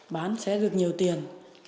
bán sẽ được nhiều tiền